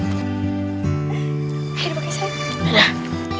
ya udah sayang